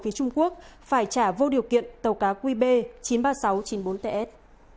phía trung quốc phải trả vô điều kiện tàu cá qb chín mươi ba nghìn sáu trăm chín mươi bốn ts